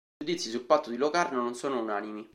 I giudizi sul Patto di Locarno non sono unanimi.